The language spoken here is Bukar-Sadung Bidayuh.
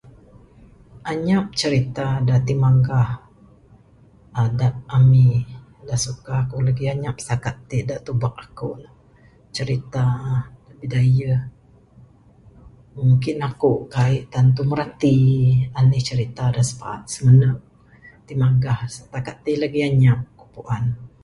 Anyap cerita da timagah adat Ami da suka ku lagi anyap sitakat ti da tubek aku. Cerita bidayuh mungkin aku kaik tantu mirati anih cerita da sepa simene timagah stakat ti lagi anyap ku puan.